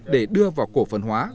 để đưa vào cổ phần hóa